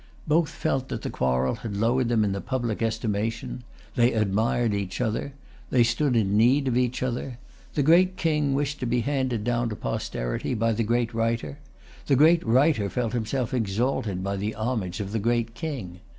Both felt that the quarrel had lowered them in the public estimation. They admired each other. They stood[Pg 310] in need of each other. The great King wished to be handed down to posterity by the great Writer. The great Writer felt himself exalted by the homage of the great King.